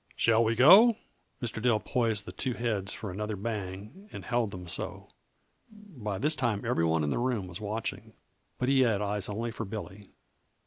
"Shall we go?" Mr. Dill poised the two heads for another bang and held them so. By this time every one in the room was watching, but he had eyes only for Billy.